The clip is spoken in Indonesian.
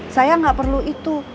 saya gak perlu itu